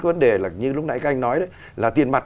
cái vấn đề là như lúc nãy anh nói đấy là tiền mặt